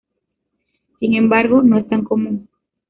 Sin embargo, no es tan común.